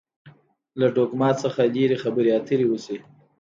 له ډوګما څخه لري خبرې اترې وشي.